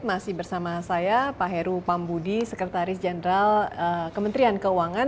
masih bersama saya pak heru pambudi sekretaris jenderal kementerian keuangan